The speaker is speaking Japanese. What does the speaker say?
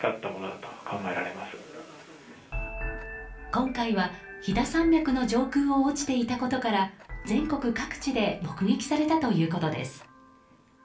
今回は飛騨山脈の上空を落ちていたことから全国各地で目撃されたということです。